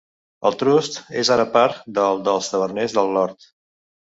El trust es ara part del dels Taverners del Lord.